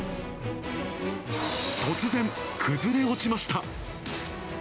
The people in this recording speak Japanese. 突然、崩れ落ちました。